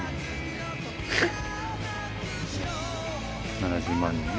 ７０万人ね。